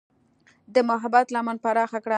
د محبت لمن پراخه کړه.